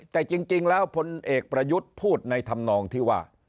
แต่จริงแล้วพลเอกประยุทธ์พูดในธรรมนองที่ว่า